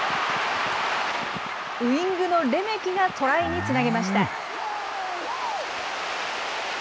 ウイングのレメキがトライにつなげました。